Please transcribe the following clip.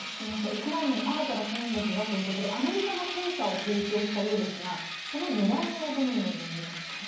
ウクライナに新たな戦力がということでアメリカが戦車を提供したようですがその狙いをどう見ますか？